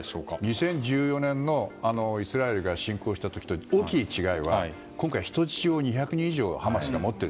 ２０１４年にイスラエルが侵攻した時との大きな違いは今回人質を２００人以上ハマスが持っている。